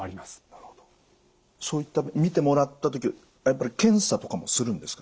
そういった診てもらった時はやっぱり検査とかもするんですか？